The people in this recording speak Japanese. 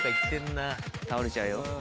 倒れちゃうよ。